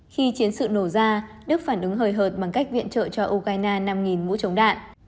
khi chiến sự nổ ra đức phản ứng hời hợt bằng cách viện trợ cho ukraine năm mũ trống đạn